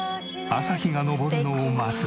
朝日が昇るのを待つ。